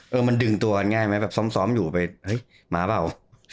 เออมันดึงตัวกันง่ายไหมแบบซ้อมอยู่ไปเฮ้ยมาเปล่า